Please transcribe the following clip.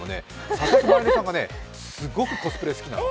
佐々木舞音さんがね、すっごくコスプレ好きなの。